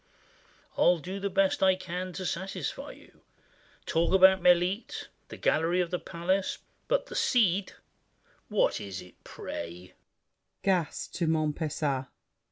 I'll do the best I can To satisfy you: talk about "Melite," "The Gallery of the Palace," but "The Cid!" What is it, pray?